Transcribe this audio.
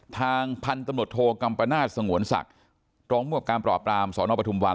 ทางพรรณฯโทรกำปะนาสสงวนศักดิ์ตองมวกการประอบรามสลพระทุมวัล